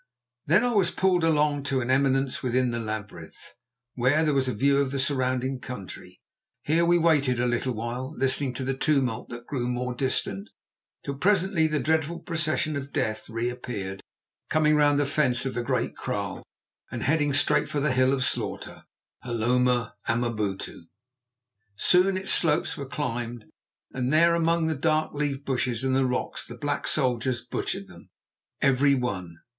Then I was pulled along to an eminence within the labyrinth, whence there was a view of the surrounding country. Here we waited a little while, listening to the tumult that grew more distant, till presently the dreadful procession of death reappeared, coming round the fence of the Great Kraal and heading straight for the Hill of Slaughter, Hloma Amabutu. Soon its slopes were climbed, and there among the dark leaved bushes and the rocks the black soldiers butchered them, every one.